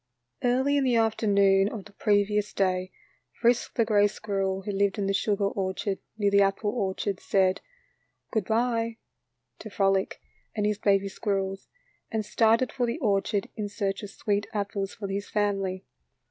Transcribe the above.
Early in the afternoon of the previous day, Frisk, the gray squirrel who lived in the sugar orchard, near the apple orchard, said "good by" to Frolic and his baby squirrels, and started for the orchard in search of sweet apples for his family.